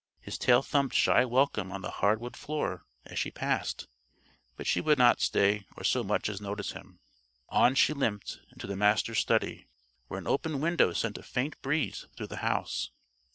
His tail thumped shy welcome on the hardwood floor as she passed, but she would not stay or so much as notice him. On she limped, into the Master's study, where an open window sent a faint breeze through the house.